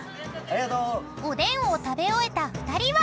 ［おでんを食べ終えた２人は］